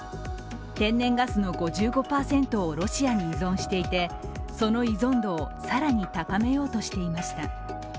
天然ガスの５５％をロシアに依存していてその依存度を更に高めようとしていました。